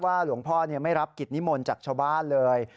ว่าหลวงพ่อไม่รับกฤทธิ์นี้หมดจากชาวบ้านเลย